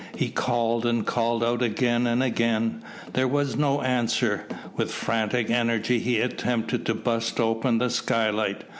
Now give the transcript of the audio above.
He called and called out again and again. There was no answer. With frantic energy he attempted to burst open the skylight.